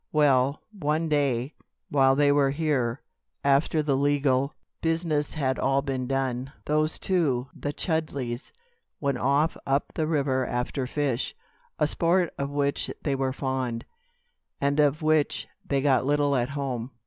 "Well, one day, while they were here, after the legal business had all been done, those two, the Chudleys, went off up the river after fish, a sport of which they were fond, and of which they got little at home.